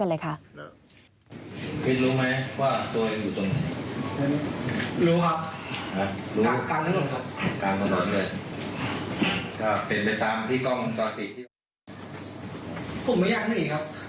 และได้มีการพูดคุยเป็นการหนีไปก็ใช้กัน